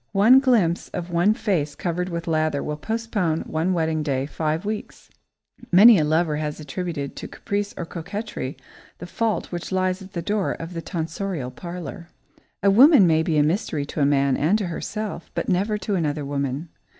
One glimpse of one face covered with lather will postpone one wedding day five weeks. Many a lover has attributed to caprice or coquetry the fault which lies at the door of the "tonsorial parlour." [Sidenote: Other Feminine Eyes] A woman may be a mystery to a man and to herself, but never to another woman.